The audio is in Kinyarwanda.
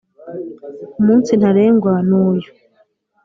, umunsi ntarengwa ni uyu!